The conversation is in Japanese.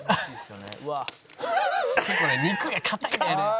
「これ肉が硬いんだよね」